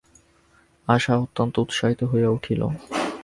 আশা অত্যন্ত উৎসাহিত হইয়া উঠিল।